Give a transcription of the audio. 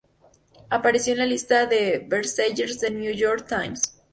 Apareció en la lista de bestsellers de "New York Times".